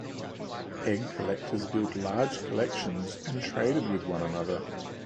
Egg collectors built large collections and traded with one another.